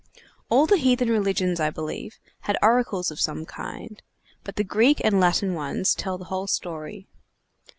All the heathen religions, I believe, had oracles of some kind. But the Greek and Latin ones tell the whole story.